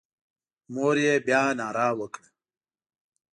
مور یې بیا ناره وکړه.